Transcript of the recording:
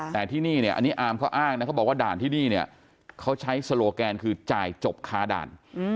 แต่ที่นี่เนี่ยอันนี้อาร์มเขาอ้างนะเขาบอกว่าด่านที่นี่เนี่ยเขาใช้โซโลแกนคือจ่ายจบคาด่าน